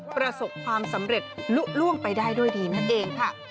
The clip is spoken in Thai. ประสบความสำเร็จลุ้งไปได้ด้วยดีนั่นเองค่ะ